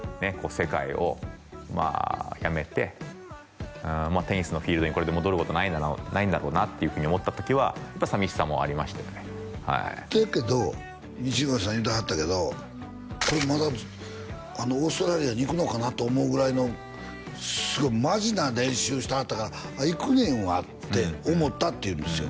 世界をまあやめてテニスのフィールドにこれで戻ることないんだろうなっていうふうに思った時はやっぱり寂しさもありましたよねって言うけど錦織さん言うてはったけどこれまだオーストラリアに行くのかなと思うぐらいのすごいマジな練習してはったからああ行くねんやわって思ったって言うんですよ